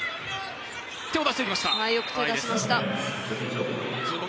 よく手を出しました。